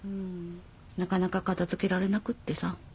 なかなか片付けられなくってさ。